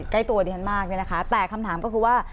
ใกล้ตัวดิฉันมากเนี่ยนะคะแต่คำถามก็คือว่า